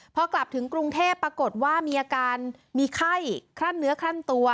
พอกลับถึงกรุงเทพปรากฏว่ามีอาการมีไข้คลั่นเนื้อคลั่นตัว